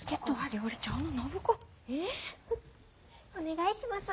お願いします。